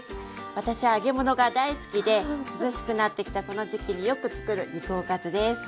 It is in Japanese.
私揚げ物が大好きで涼しくなってきたこの時期によくつくる肉おかずです。